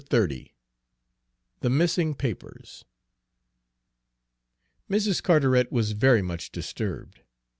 XXX THE MISSING PAPERS Mrs. Carteret was very much disturbed.